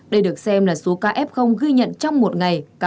đây được xem là số ca f ghi nhận trong một ngày